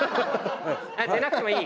出なくてもいい？